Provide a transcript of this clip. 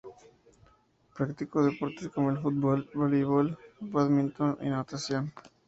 Practicó deportes como el fútbol, voleibol, bádminton o natación.